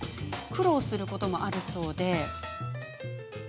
苦労することもあるそうで。